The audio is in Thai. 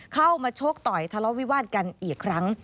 เข้ามาชกต่อยทะเลาะวิวาดกันอีกครั้ง